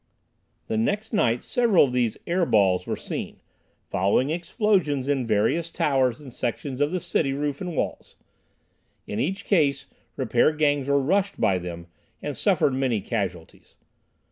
The next night several of these "air balls" were seen, following explosions in various towers and sections of the city roof and walls. In each case repair gangs were "rushed" by them, and suffered many casualties.